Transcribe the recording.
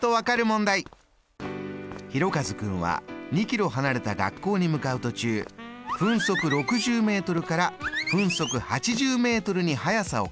「ひろかず君は２ｋｍ離れた学校に向かう途中分速６０ｍから分速８０ｍに速さを変えました。